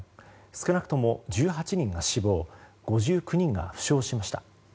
少なくとも１８人が死亡５９人が負傷しました。